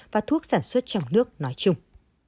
và thuốc sản xuất trong nước nói chung